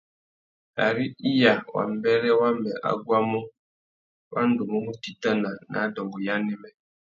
Ari iya wa mbêrê wamê a guamú, wa ndú mú mù titana nà adôngô ya anêmê.